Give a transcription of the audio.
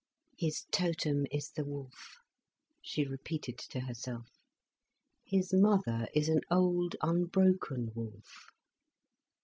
"His totem is the wolf," she repeated to herself. "His mother is an old, unbroken wolf."